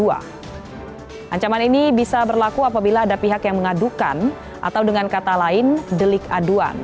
ancaman ini bisa berlaku apabila ada pihak yang mengadukan atau dengan kata lain delik aduan